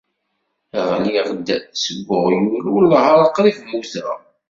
Ɣliɣ-d seg uɣyul wellah ar qrib mmuteɣ.